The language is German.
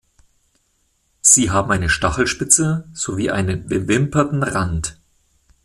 Sie haben eine Stachelspitze sowie einen bewimperten Rand.